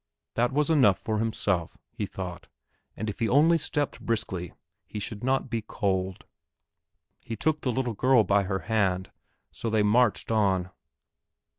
That was enough for himself, he thought, and if he only stepped briskly he should not be cold. He took the little girl by her hand, so they marched on.